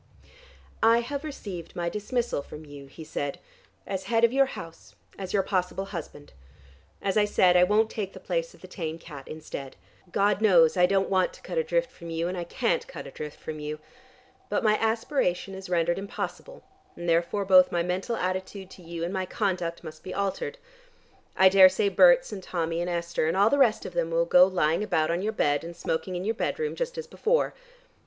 "I have received my dismissal from you," he said, "as head of your house, as your possible husband. As I said, I won't take the place of the tame cat instead. God knows I don't want to cut adrift from you, and I can't cut adrift from you. But my aspiration is rendered impossible, and therefore both my mental attitude to you and my conduct must be altered. I daresay Berts and Tommy and Esther and all the rest of them will go lying about on your bed, and smoking in your bedroom just as before.